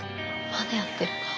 まだやってるか。